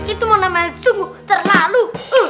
itu mana main sungguh terlalu